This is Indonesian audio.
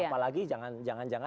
apalagi jangan jangan nanti